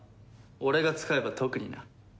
俺が使えば特にな。